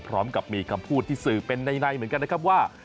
พร้อมกับมีคำพูดที่สื่อเป็นในเหมือนกันนะครับว่า